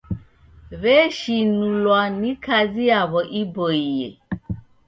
W'eshinulwa ni kazi yaw'o iboie.